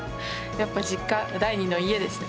やっぱり実家第二の家ですね。